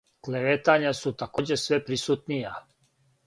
Клеветања су такође све присутнија.